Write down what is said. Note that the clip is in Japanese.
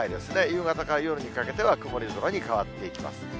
夕方から夜にかけては、曇り空に変わっていきます。